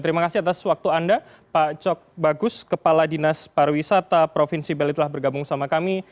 terima kasih atas waktu anda pak cok bagus kepala dinas pariwisata provinsi bali telah bergabung sama kami